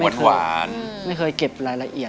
หวานไม่เคยเก็บรายละเอียด